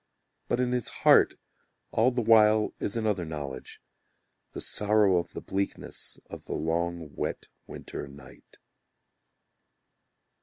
But in his heart all the while is another knowledge, The sorrow of the bleakness of the long wet winter night.